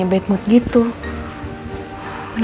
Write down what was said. asta jadi luang akun